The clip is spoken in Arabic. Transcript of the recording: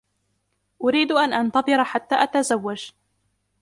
أريد أن أنتظر حتى أتزوج.